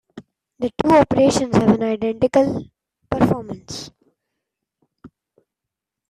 The two operations have an identical performance.